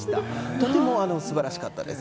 とても素晴らしかったです。